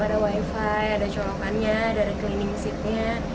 ada wifi ada colokannya dari cleaning seatnya